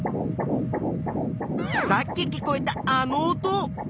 さっき聞こえたあの音。